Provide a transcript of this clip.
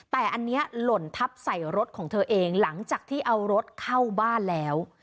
แต่อันนี้หล่นทับใส่รถของเธอเองหลังจากที่เอารถเข้าบ้านแล้ว